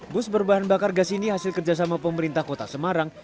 bus berbahan bakar gas ini hasil kerjasama pemerintah kota semarang